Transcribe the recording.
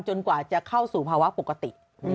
กว่าจะเข้าสู่ภาวะปกติ